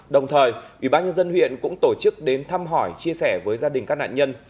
đồng thời ủy ban nhân dân huyện cũng tổ chức đến thăm hỏi chia sẻ với gia đình các nạn nhân